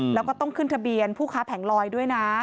แล้วก็ต้องขึ้นทะเบียนผู้ค้าแผงลอยด้วยนะ